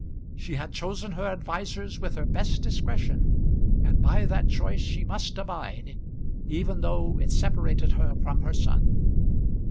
She had chosen her advisers with her best discretion, and by that choice she must abide even though it separated her from her son.